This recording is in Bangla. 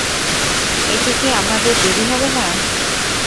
এতে কি আমাদের দেরী হবে না?